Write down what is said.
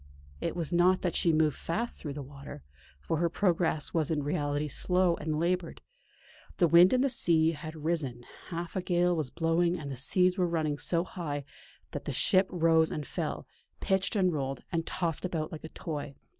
It was not that she moved fast through the water, for her progress was in reality slow and laboured. The wind and the sea had risen; half a gale was blowing and the seas were running so high that the ship rose and fell, pitched and rolled and tossed about like a toy.